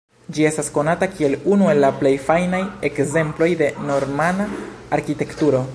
Ĝi estas konata kiel unu el la plej fajnaj ekzemploj de normana arkitekturo.